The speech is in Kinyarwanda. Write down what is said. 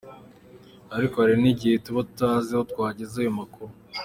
Ariko hari n’igihe tuba tutazi aho twageza ayo makuru.